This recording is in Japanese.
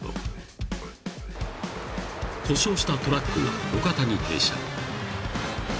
［故障したトラックが路肩に停車］